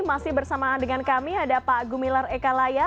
masih bersamaan dengan kami ada pak gumilar eka laya